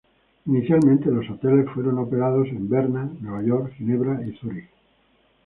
Inicialmente los hoteles fueron operados en Berna, Nueva York, Ginebra y Zurich.